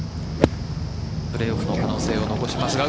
プレーオフの可能性もありますが。